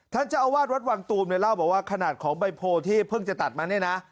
ท่านเจ้าอาวาสวัดวังตูมเนี่ยเล่าบอกว่าขนาดของใบโพที่เพิ่งจะตัดมาเนี่ยนะ